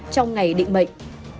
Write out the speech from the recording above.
trong ngày định mệnh